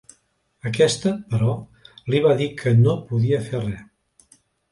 Aquesta, però, li va dir que no podia fer res.